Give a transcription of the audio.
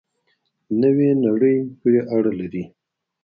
نوې نړۍ پورې اړه لري.